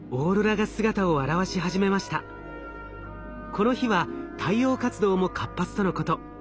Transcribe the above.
この日は太陽活動も活発とのこと。